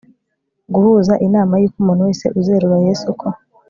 guhuza inama yuko umuntu wese uzerura Yesu ko